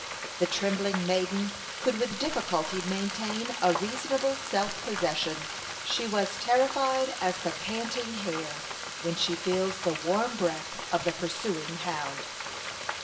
The trembling maiden could with difficulty maintain a reasonable self possession. She was terrified as the panting hare when she feels the warm breath of the pursuing hound.